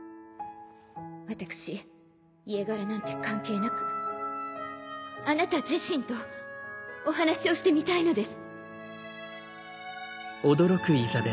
わたくし家柄なんて関係なくあなた自身とお話しをしてみたいのです。